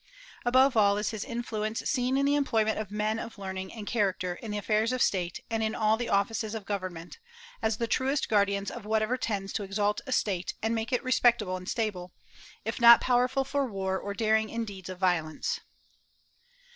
Above all is his influence seen in the employment of men of learning and character in the affairs of state and in all the offices of government, as the truest guardians of whatever tends to exalt a State and make it respectable and stable, if not powerful for war or daring in deeds of violence.